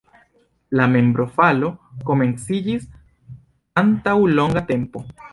La membrofalo komenciĝis antaŭ longa tempo.